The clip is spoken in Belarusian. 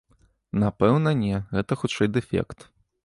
Напэўна не, гэта хутчэй дэфект.